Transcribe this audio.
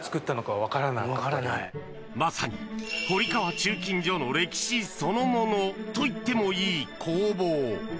まさに堀川鋳金所の歴史そのものといってもいい工房。